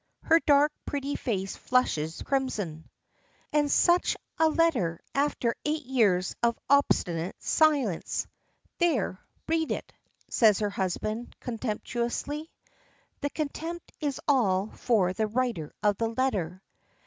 Her dark, pretty face flushes crimson. "And such a letter after eight years of obstinate silence. There! read it," says her husband, contemptuously. The contempt is all for the writer of the letter.